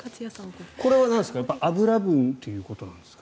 これは脂分ということなんですか？